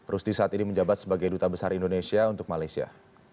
rusti saat ini menjabat sebagai duta besar indonesia untuk malaysia